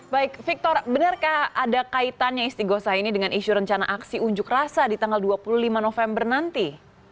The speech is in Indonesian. baik victor benarkah ada kaitannya istiqosah ini dengan isu rencana aksi unjuk rasa di tanggal dua puluh lima november nanti